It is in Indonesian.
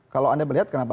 kalau anda melihat kenapa